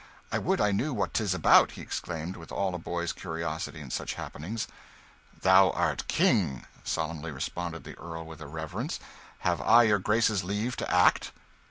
"I would I knew what 'tis about!" he exclaimed, with all a boy's curiosity in such happenings. "Thou art the King!" solemnly responded the Earl, with a reverence. "Have I your Grace's leave to act?"